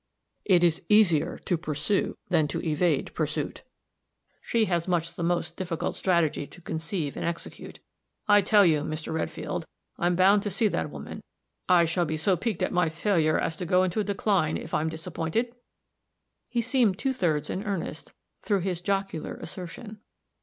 "It is easier to pursue than to evade pursuit. She has much the most difficult strategy to conceive and execute. I tell you, Mr. Redfield, I'm bound to see that woman. I shall be so piqued at my failure, as to go into a decline, if I'm disappointed." He seemed two thirds in earnest, through his jocular assertion.